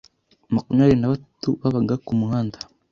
makumyabiri nabatatu babaga ku muhanda